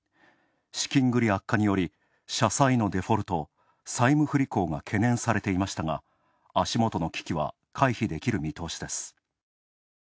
資金繰り悪化により、社債のデフォルト＝債務不履行が懸念されていましたが、足元の危機は回避できる見通しです。